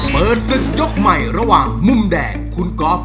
เปิดศึกยกใหม่ระหว่างมุมแดงคุณก๊อฟ